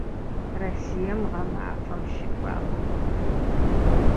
Россием гъэмафэм щыфаб.